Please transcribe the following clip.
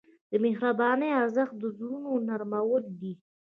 د مهربانۍ ارزښت د زړونو نرمول دي.